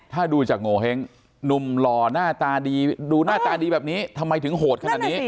ถ้าดูจากโงเห้งหนุ่มหล่อหน้าตาดีดูหน้าตาดีแบบนี้ทำไมถึงโหดขนาดนี้